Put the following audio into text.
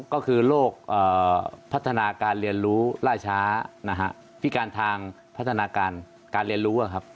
๒ก็คือโรคพัฒนาการเรียนรู้ล่าช้าพิการทางพัฒนาการเรียนรู้